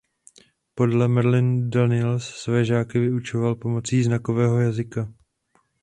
Podle Marilyn Daniels své žáky vyučoval pomocí znakového jazyka.